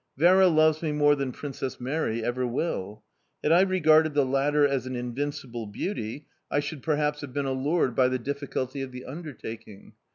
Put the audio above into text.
Vera loves me more than Princess Mary ever will. Had I regarded the latter as an invincible beauty, I should perhaps have been allured by the difficulty of the undertaking...